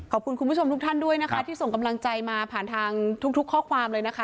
คุณผู้ชมทุกท่านด้วยนะคะที่ส่งกำลังใจมาผ่านทางทุกข้อความเลยนะคะ